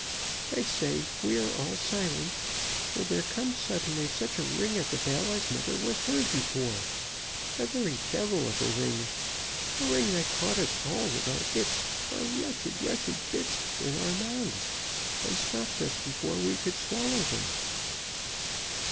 I say we are all silent, when there comes suddenly such a ring at the bell as never was heard before a very devil of a ring a ring that caught us all with our bits our wretched, wretched bits! in our mouths, and stopped us before we could swallow them.